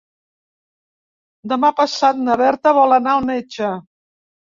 Demà passat na Berta vol anar al metge.